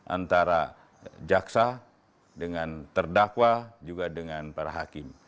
antara jaksa dengan terdakwa juga dengan para hakim